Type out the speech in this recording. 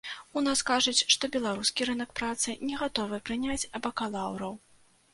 У нас кажуць, што беларускі рынак працы не гатовы прыняць бакалаўраў.